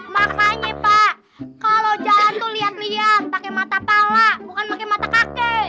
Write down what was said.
makanya pak kalau jatuh lihat lihat pakai mata pangla bukan pakai mata kakek